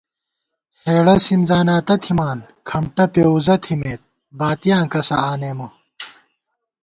ہېڑہ سِم زاناتہ تھِمان، کھمٹہ پېوُزہ تھِمېت، باتِیاں کسہ آنېمہ